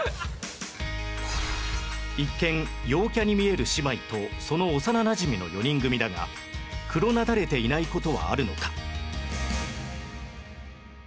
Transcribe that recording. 一見陽キャに見える姉妹とその幼なじみの４人組だがクロナダれていない事はあるのか？